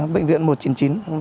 bệnh viện một trăm chín mươi chín